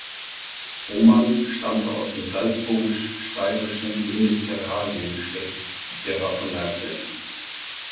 Roman stammte aus dem salzburgisch-steirischen Ministerialengeschlecht derer von Leibnitz.